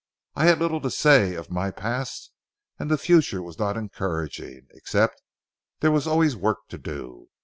I had little to say of my past, and the future was not encouraging, except there was always work to do.